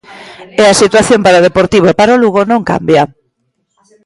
E a situación para o Deportivo e para o Lugo non cambia.